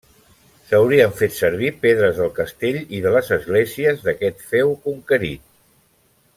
S'haurien fet servir pedres del castell i de les esglésies d'aquest feu conquerit.